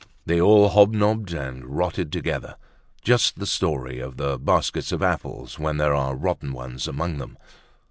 They all hobnobbed and rotted together, just the story of the baskets of apples when there are rotten ones among them.